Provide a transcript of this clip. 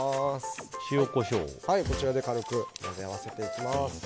こちらで軽く混ぜ合わせていきます。